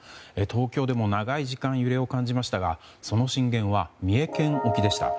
東京でも長い時間揺れを感じましたがその震源は三重県沖でした。